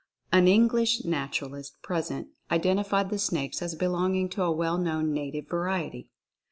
An English nat uralist present identified the snakes as belonging to a well known native variety.